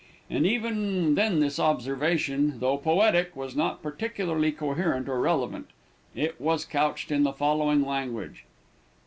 And even then his observation, though poetic, was not particularly coherent or relevant. It was couched in the following language.